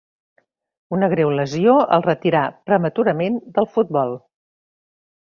Una greu lesió el retirà prematurament del futbol.